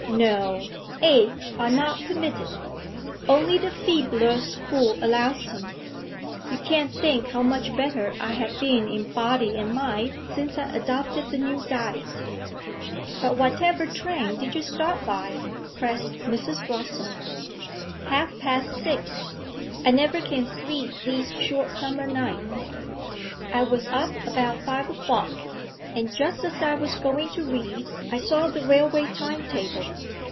No eggs are not permitted; only the feebler school allows them. You can't think how much better I have been in body and mind since I adopted the new diet.' 'But whatever train did you start by?' pressed Mrs. Rossall. 'Half past six. I never can sleep these short summer nights. I was up about five o'clock, and just as I was going to read I saw the railway time table.